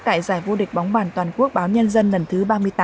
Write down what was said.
tại giải vô địch bóng bàn toàn quốc báo nhân dân lần thứ ba mươi tám